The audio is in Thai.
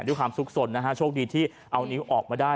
ด้วยความสุขสนนะฮะโชคดีที่เอานิ้วออกมาได้